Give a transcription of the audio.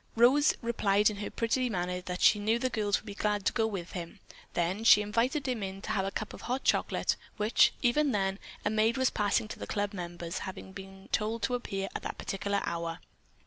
Rose replied in her pretty manner that she knew the girls would be glad to go with him. Then she invited him in to have a cup of hot chocolate, which, even then, a maid was passing to the club members, having been told to appear at that particular hour.